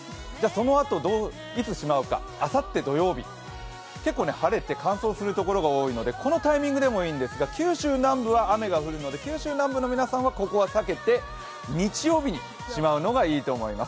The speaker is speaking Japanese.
そのあと、いつしまうかあさって土曜日、結構晴れて乾燥するところが多いのでこのタイミングでもいいんですが、九州南部は雨が降るので九州南部の皆さんはここは避けて、日曜日にしまうのがいいと思います。